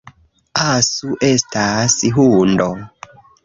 Asu estas hundo